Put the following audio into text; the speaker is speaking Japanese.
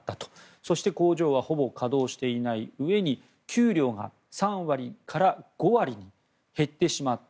そして、工場はほぼ稼働していないうえに給料が３割から５割減ってしまった。